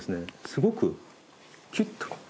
すごくキュッとこう。